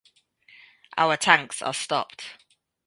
Our tanks are stopped.